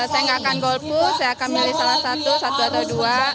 saya nggak akan golput saya akan milih salah satu satu atau dua